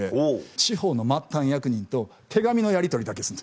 地方の末端役人と手紙のやりとりだけするんです。